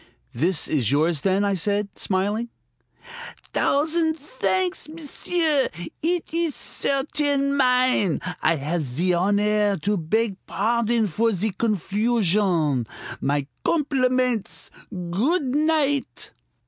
"This is yours, then?" I said, smiling. "Thousand thanks, m'sieu! Eet ees certain mine. I have zee honaire to beg pardon for zee confusion. My compliments! Good night!"